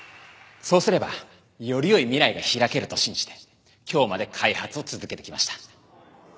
「そうすればより良い未来が開けると信じて今日まで開発を続けてきました」